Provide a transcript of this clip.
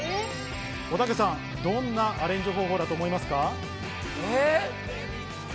おたけさん、どんなアレンジ方法だと思いますか？